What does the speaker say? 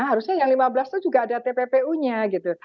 harusnya yang lima belas itu juga ada tppu nya gitu